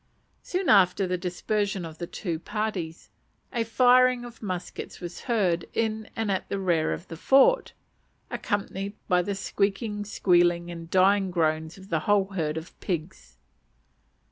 Soon after the dispersion of the two parties, a firing of muskets was heard in and at the rear of the fort, accompanied by the squeaking, squealing, and dying groans of a whole herd of pigs.